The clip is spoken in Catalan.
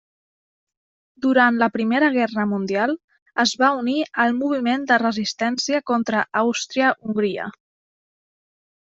Durant la Primera Guerra Mundial es va unir al moviment de resistència contra Àustria-Hongria.